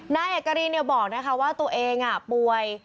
นายเอกการิบอกนะคะว่าตัวเองอ่ะป่วย